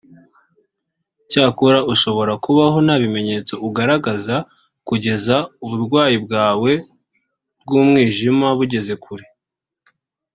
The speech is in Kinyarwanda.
Cyakora ushobora kubaho ntabimenyetso ugaragaza kugeza uburwayi bwawe bw’umwijima bugeze kure